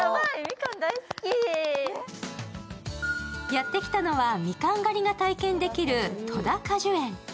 やってきたのは、みかん狩りが体験できる戸田果樹園。